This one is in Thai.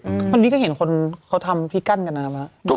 อืมวันนี้ก็เห็นคนเขาทำที่กั้นกันนะครับ